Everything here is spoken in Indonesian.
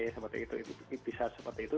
seperti itu bisa seperti itu